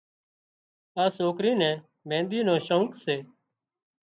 آ سوڪري نين مينۮِي نو شوق سي